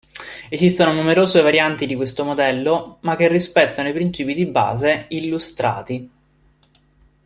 Esistono numerose varianti di questo modello, ma che rispettano i principi di base illustrati.